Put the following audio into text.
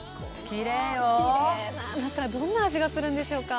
中どんな味がするんでしょうか。